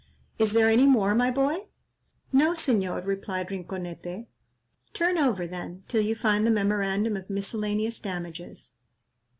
Is there any more, my boy?" "No, Señor," replied Rinconete. "Turn over, then, till you find the 'Memorandum of miscellaneous damages.'"